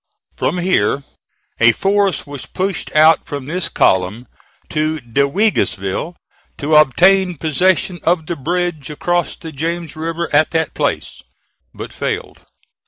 From here a force was pushed out from this column to Duiguidsville, to obtain possession of the bridge across the James River at that place, but failed.